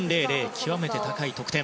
極めて高い得点。